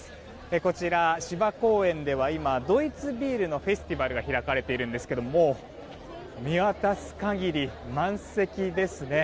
こちら芝公園では今、ドイツビールのフェスティバルが開かれているんですが見渡す限り満席ですね。